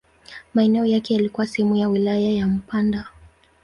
Maeneo yake yalikuwa sehemu ya wilaya ya Mpanda.